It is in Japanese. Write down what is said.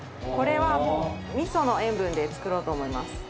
これはもう味噌の塩分で作ろうと思います。